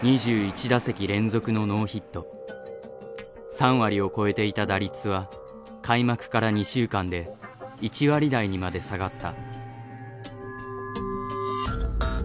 ３割を超えていた打率は開幕から２週間で１割台にまで下がった。